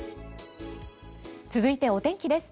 続いて、お天気です。